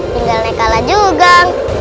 tinggal naik kalajugang